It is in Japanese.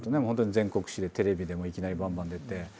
本当に全国紙でテレビでもいきなりバンバン出て。